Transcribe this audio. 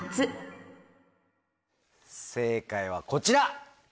正解はこちら！